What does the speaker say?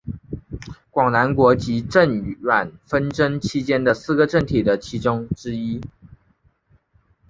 广南国及郑阮纷争期间的四个政体的其中之一。